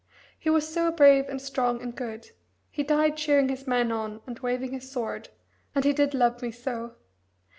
He was so brave and strong and good he died cheering his men on and waving his sword, and he did love me so.